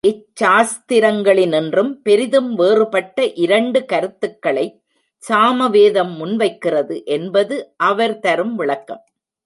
இச்சாஸ்திரங்களினின்றும் பெரிதும் வேறுபட்ட இரண்டு கருத்துக்களைச் சாமவேதம் முன்வைக்கிறது என்பது அவர் தரும் விளக்கம்.